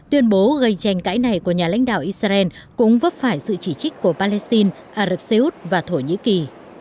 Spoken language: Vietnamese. tuyên bố gây tranh cãi này của nhà lãnh đạo israel cũng vấp phải sự chỉ trích của palestine ả rập xê út và thổ nhĩ kỳ